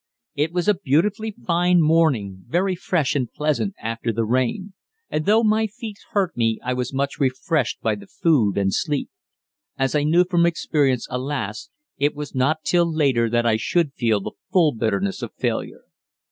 It was a beautifully fine morning, very fresh and pleasant after the rain, and though my feet hurt me I was much refreshed by the food and sleep. As I knew from experience, alas! it was not till later that I should feel the full bitterness of failure.